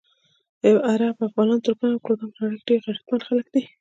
عرب، افغانان، ترکان او کردان په نړۍ ډېر غیرتمند خلک دي.